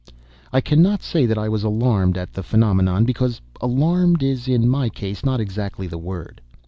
I cannot say that I was alarmed at the phenomenon, because "alarmed" is, in my case, not exactly the word.